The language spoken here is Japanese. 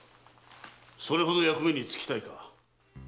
それほど役目に就きたいのか？